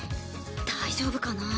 大丈夫かなあ。